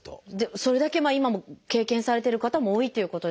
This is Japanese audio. それだけ今も経験されてる方も多いっていうことですよね。